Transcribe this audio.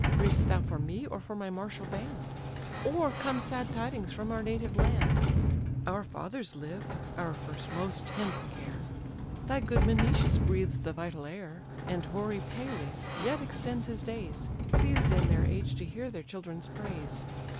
"Griev'st thou for me, or for my martial band? Or come sad tidings from our native land? Our fathers live (our first, most tender care), Thy good Menoetius breathes the vital air, And hoary Peleus yet extends his days; Pleased in their age to hear their children's praise.